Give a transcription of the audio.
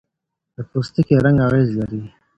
د پوستکي رنګ اغېز لري.